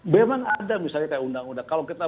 memang ada misalnya kayak undang undang kalau kita